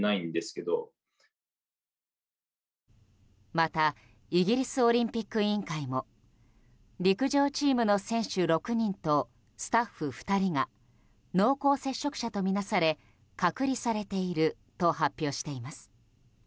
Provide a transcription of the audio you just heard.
またイギリスオリンピック委員会も陸上チームの選手６人とスタッフ２人が濃厚接触者とみなされ隔離されていると発表しています。